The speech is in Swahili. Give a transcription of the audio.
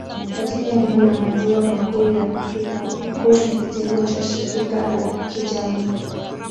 Katika eneo la Maziwa Makuu ya Afrika, ukoo ni kitengo cha shirika la kijamii.